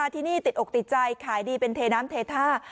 ที่นี่ติดอกติดใจขายดีเป็นเทน้ำเทท่า